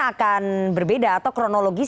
akan berbeda atau kronologis